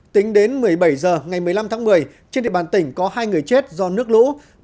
tính đến một mươi bảy h ngày một mươi năm tháng một mươi trên địa bàn tỉnh có hai người chết do nước lũ